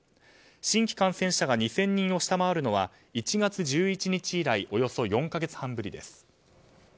新規感染者が２０００人を下回るのは１月１７日以来およそ４か月半ぶりです。